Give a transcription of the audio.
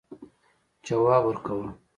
جواب ورکاوه.